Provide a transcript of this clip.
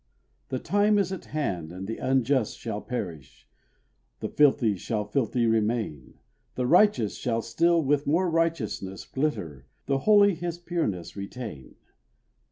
"The time is at hand, and the unjust shall perish, The filthy shall filthy remain, The righteous shall still with more righteousness glitter, The holy his pureness retain.